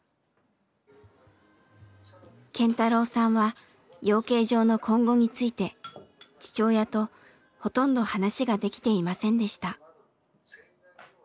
健太郎さんは養鶏場の今後について父親とほとんど話ができていませんでした。